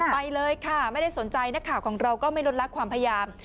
ไปเลยค่ะไม่ได้สนใจนักข่าวของเราก็ไม่ลดลักความพยายาม